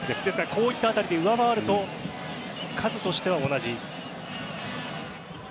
こういった辺りで上回ると数としては同じ。